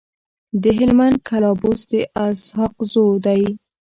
د هلمند کلابست د اسحق زو دی.